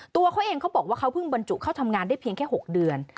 ตัวเขาเองเขาบอกว่าเขาเพิ่งบรรจุเข้าทำงานได้เพียงแค่๖เดือน